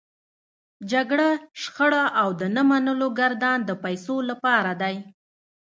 جګړه، شخړه او د نه منلو ګردان د پيسو لپاره دی.